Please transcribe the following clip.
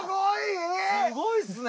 すごいっすね。